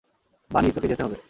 বানি, তোকে যেতে হবে!